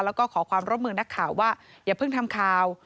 แล้วก็ขอความร่วมมือนักข่าวว่าอย่าเพิ่งทำข่าว